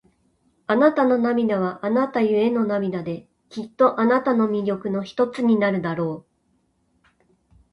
あなたの涙は、あなたゆえの涙で、きっとあなたの魅力の一つになるだろう。